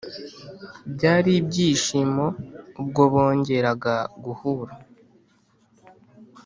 byari ibyishimo ubwo bongeraga guhura